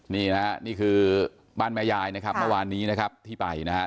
นี่นะฮะนี่คือบ้านแม่ยายนะครับเมื่อวานนี้นะครับที่ไปนะครับ